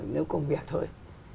nếu công việc thôi